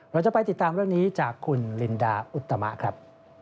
เราจะไปติดตามเรื่องนี้จากคุณลินดาอุตมะครับ